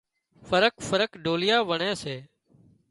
فرق فرق ڍوليئا وڻي سي